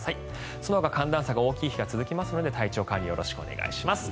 そのほか寒暖差が大きい日が続きますので体調管理よろしくお願いします。